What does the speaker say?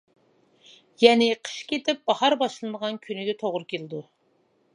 يەنى قىش كېتىپ باھار باشلىنىدىغان كۈنىگە توغرا كېلىدۇ.